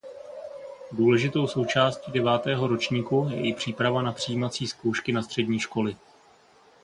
Důležitou součástí devátého ročníku je i příprava na přijímací zkoušky na střední školy.